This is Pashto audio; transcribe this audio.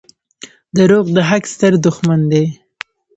• دروغ د حق ستر دښمن دي.